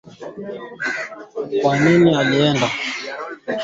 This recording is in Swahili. Ugonjwa wa kimeta huathiri wanyama wenye damu motomoto